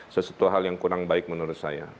sesuatu hal yang kurang baik menurut saya